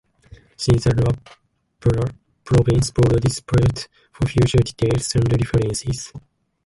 See the Luapula Province border dispute for further details and references.